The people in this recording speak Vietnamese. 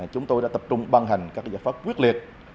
chúng tôi đã tập trung ban hành các giải pháp quyết liệt